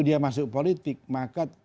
dia masuk politik maka